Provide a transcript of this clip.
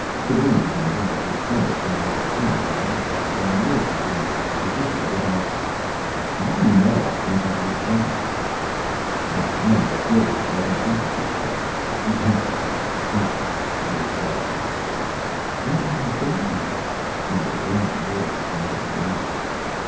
The Raimees undoubtedly stumbled on your planet by accident and lured you into this position without " "How do you know I can do your job?" "That moment of brilliance was an aptitude test. You passed. Well, do you accept?" "What about our baby?" Martha Graham worriedly wanted to know.